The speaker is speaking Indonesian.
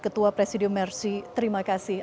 ketua presidium mercy terima kasih